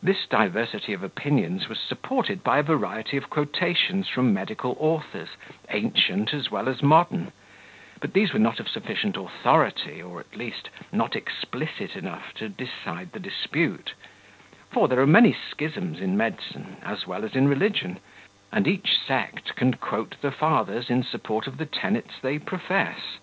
This diversity of opinions was supported by a variety of quotations from medical authors, ancient as well as modern; but these were not of sufficient authority, or, at least, not explicit enough to decide the dispute; for there are many schisms in medicine, as well as in religion, and each sect can quote the fathers in support of the tenets they profess.